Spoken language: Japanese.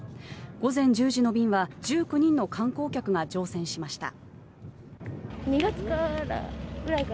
午前１０時の便は１９人の観光客が乗船しました。